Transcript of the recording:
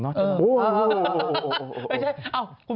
โอ้โฮ